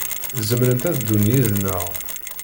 Zemrent ad ddun yid-neɣ.